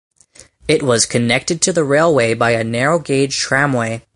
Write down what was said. It was connected to the railway by a narrow gauge tramway.